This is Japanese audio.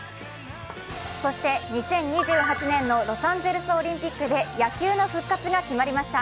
そして２０２８年のロサンゼルスオリンピックで野球の復活が決まりました。